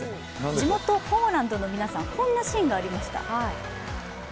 地元・ポーランドの皆さんこんなシーンがありました。